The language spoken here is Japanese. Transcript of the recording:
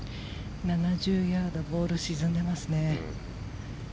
７０ヤードボール沈んでいますね。